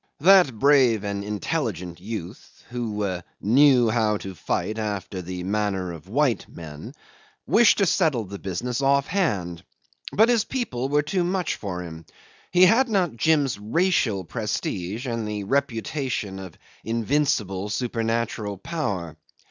That brave and intelligent youth ("who knew how to fight after the manner of white men") wished to settle the business off hand, but his people were too much for him. He had not Jim's racial prestige and the reputation of invincible, supernatural power.